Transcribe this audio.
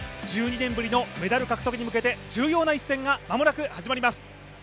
１２年ぶりのメダル獲得に向けて重要な一戦が間もなく始まります。